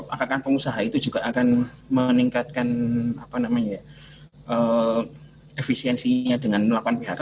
apakah pengusaha itu juga akan meningkatkan efisiensinya dengan melakukan phk